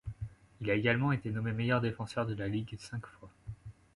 Il a également été nommé meilleur défenseur de la ligue cinq fois.